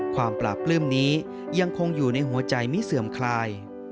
ความปราบปลื้มนี้ยังคงอยู่ในหัวใจไม่เสื่อมคลาย